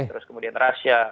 terus kemudian rusia